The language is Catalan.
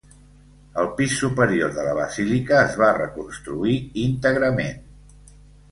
El pis superior de la basílica es va reconstruir íntegrament.